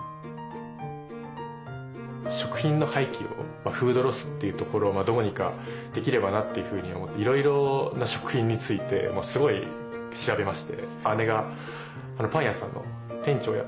食品の廃棄をフードロスというところをどうにかできればなというふうに思っていろいろな食品についてすごい調べまして。